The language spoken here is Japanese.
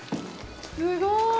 すごい！